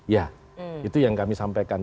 ya itu yang kami sampaikan